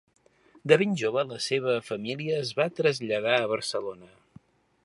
De ben jove, la seva família es va traslladar a Barcelona.